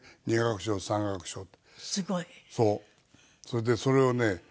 それでそれをね